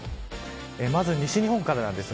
まず、西日本からです。